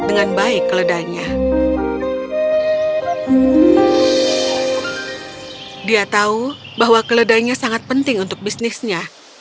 dia tahu bahwa keledainya sangat penting untuk bisnisnya